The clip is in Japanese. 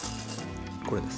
これです。